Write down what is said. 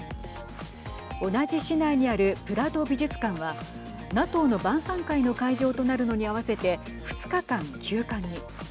同じ市内にあるプラド美術館はＮＡＴＯの晩さん会の会場となるのに合わせて２日間、休館に。